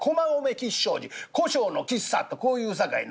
吉祥寺小姓の吉三とこういうさかいにな。